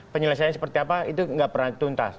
penyelesaiannya seperti apa itu nggak pernah tuntas